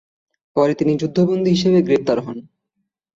পরে তিনি যুদ্ধ বন্দী হিসাবে গ্রেপ্তার হন।